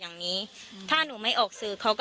ต้องรอผลพิสูจน์จากแพทย์ก่อนนะคะ